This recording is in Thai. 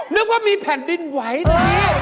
นึกว่ามีแผ่นดินไหวโอเค